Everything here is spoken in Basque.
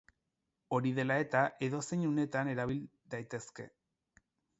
Hori dela eta, edozein unetan erabil daitezke.